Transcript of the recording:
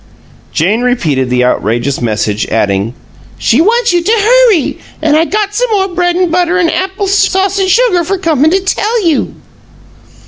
Jane repeated the outrageous message, adding, "She wants you to hurry and I got some more bread and butter and apple sauce and sugar for comin' to tell you."